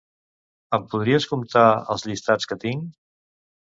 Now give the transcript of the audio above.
Em podries comptar els llistats que tinc?